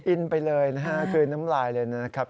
อินไปเลยนะฮะกลืนน้ำลายเลยนะครับ